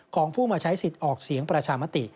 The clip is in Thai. ของผู้มาใช้สิทธิ์ออกเสียงประชามติ